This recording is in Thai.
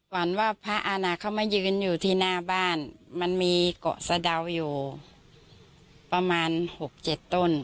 วันว่าพระอาณาเข้ามายืนอยู่ที่หน้าบ้านมันมีเกาะสะดาวอยู่ประมาณ๖๗ต้น